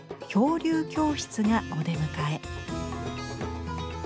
「漂流教室」がお出迎え。